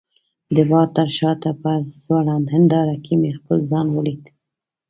د بار تر شاته په ځوړند هنداره کي مې خپل ځان ولید.